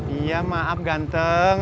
iya maaf ganteng